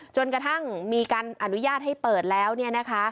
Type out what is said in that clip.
จนกระทั่งมีการอนุญาตให้เปิดแล้วเนี่ยนะคะ